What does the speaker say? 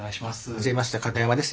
はじめまして片山です。